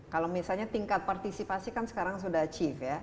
kalau misalnya tingkat partisipasi kan sekarang sudah achieve ya